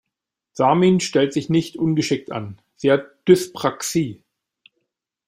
Samin stellt sich nicht ungeschickt an, sie hat Dyspraxie.